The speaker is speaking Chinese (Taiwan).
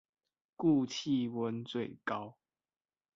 故氣溫最高